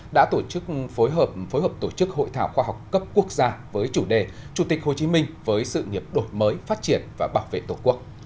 đã tổ chức phối hợp phối hợp tổ chức hội thảo khoa học cấp quốc gia với chủ đề chủ tịch hồ chí minh với sự nghiệp đổi mới phát triển và bảo vệ tổ quốc